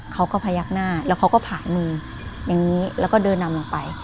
พยักหน้าแล้วเขาก็ผ่านมืออย่างนี้แล้วก็เดินนำลงไป